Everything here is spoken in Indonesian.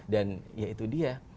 dan ya itu dia